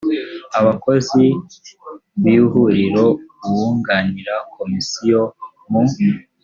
abakozi b ihuriro uwunganira komisiyo mu